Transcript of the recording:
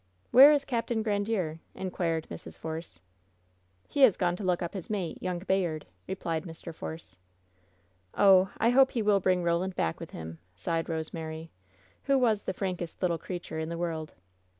"Where is Capt. Grandiere?" inquired Mrs. Force. "He has gone to look up his mate, young Bayard," replied Mr. Force. "Oh, I hope he will bring Roland back with him!" sighed Rosemary, who was the frankest little creature in the world.